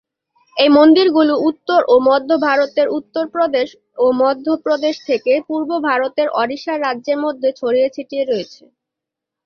এই মন্দিরগুলি উত্তর ও মধ্য ভারতের উত্তরপ্রদেশ ও মধ্যপ্রদেশ থেকে পূর্ব ভারতের ওডিশা রাজ্যের মধ্যে ছড়িয়ে ছিটিয়ে রয়েছে।